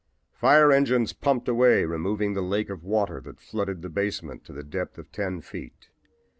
Fire engines pumped away removing the lake of water that flooded the basement to the depth of ten feet.